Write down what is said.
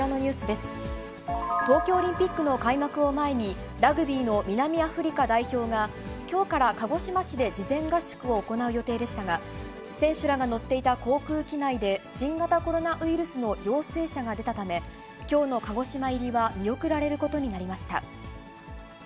東京オリンピックの開幕を前に、ラグビーの南アフリカ代表が、きょうから鹿児島市で事前合宿を行う予定でしたが、選手らが乗っていた航空機内で新型コロナウイルスの陽性者が出たため、きょうの鹿児島入りは見送られることになりました。